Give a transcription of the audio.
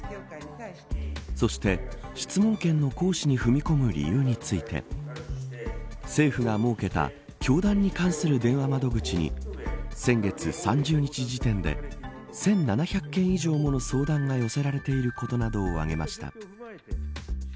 そして、質問権の行使に踏み込む理由について政府が設けた教団に関する電話窓口に先月３０日時点で１７００件以上もの相談が寄せられていることなどを挙げました。